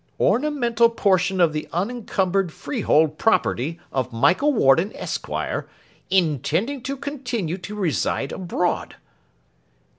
"ornamental portion of the unencumbered freehold property of Michael Warden, Esquire, intending to continue to reside abroad"!